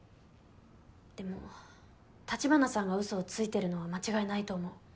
でも立花さんが嘘をついてるのは間違いないと思う。